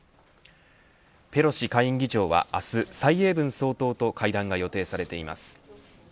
ペロシ下院議長は明日蔡英文総統と会談が予定されています。